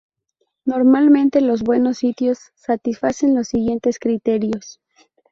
Normalmente, los buenos sitios satisfacen los siguientes criterios.